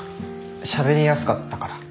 しゃべりやすかったから。